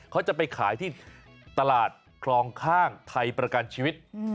เขาจะไปขายที่ตลาดคลองข้างไทยประกันชีวิต